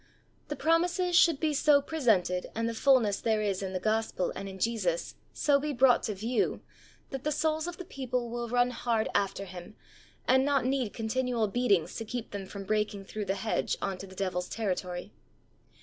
The promises should be so presented and the fullness there is in the Gospel and in Jesus so be brought to view that the souls of the people will run hard after Him and not need con tinual beatings to keep them from breaking through the hedge on to the devil's territory.